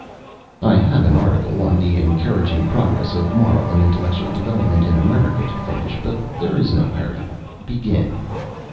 "I have an article on the 'Encouraging Progress of Moral and Intellectual Development in America' to finish, but there is no hurry. Begin."